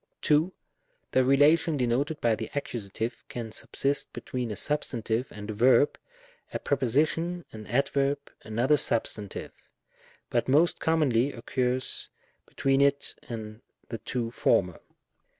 2. The relation denoted by the Accus. can subsist between a substantive and a verb — a preposition, an adverb, another substantive ; but most commonly occurs between it and the two former.